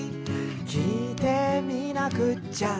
「きいてみなくっちゃ」